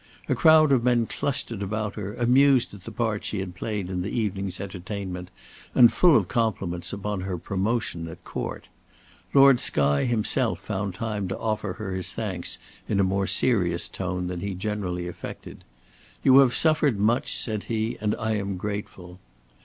A crowd of men clustered about her, amused at the part she had played in the evening's entertainment and full of compliments upon her promotion at Court. Lord Skye himself found time to offer her his thanks in a more serious tone than he generally affected. "You have suffered much," said he, "and I am grateful."